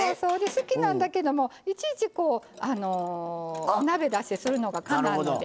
好きなんだけどもいちいちお鍋出してするのがかなわんので。